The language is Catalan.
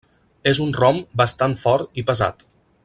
És un rom bastant fort i pesat.